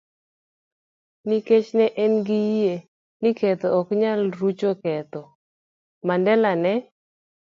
Nikech ne en gi yie ni ketho ok nyal rucho ketho, Mandela ne